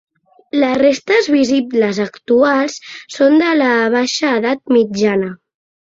Les restes visibles actuals són de la baixa edat mitjana.